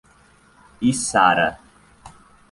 Içara